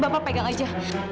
bapak pegang aja